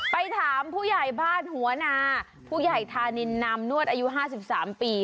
ไปถามผู้ใหญ่บ้านหัวนาผู้ใหญ่ธานินนามนวดอายุ๕๓ปี